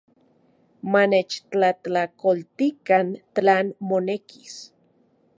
Manechtlajtlakoltikan tlan monekis.